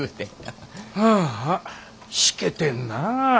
ああしけてんなぁ。